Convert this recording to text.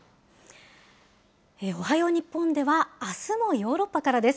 おはよう日本では、あすもヨーロッパからです。